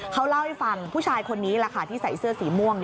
เขาเล่าให้ฟังผู้ชายคนนี้แหละค่ะที่ใส่เสื้อสีม่วง